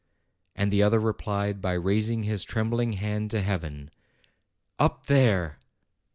And the other replied by raising his trembling hand to heaven, "Up there